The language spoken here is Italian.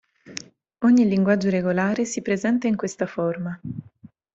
Ogni linguaggio regolare si presenta in questa forma.